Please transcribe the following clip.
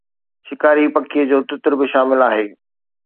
شڪاري پکيءَ جو تتر به شامل آهي